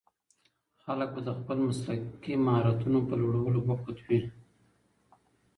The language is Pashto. خلګ به د خپلو مسلکي مهارتونو په لوړولو بوخت وي.